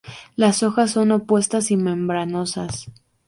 Las hojas son opuestas y membranosas.